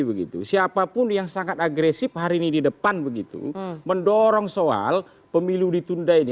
begitu siapapun yang sangat agresif hari ini di depan begitu mendorong soal pemilu ditunda ini